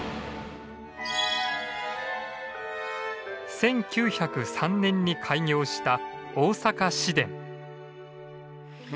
１９０３年に開業した大阪市電。